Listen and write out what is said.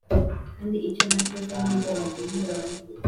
kandi icyo nakoze, ni nde wagihungabanya?